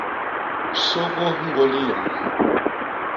Sôgôs ñgôli yoñ.